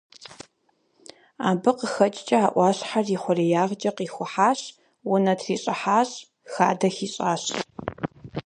Абы къыхэкӏкӏэ, а ӏуащхьэр и хъуреягъкӏэ къихухьащ, унэ трищӏыхьащ, хадэ хищӏащ.